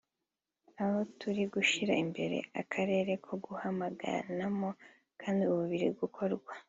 aho turi gushyira imbere akarere ko guhamagaranamo kandi ubu biri gukora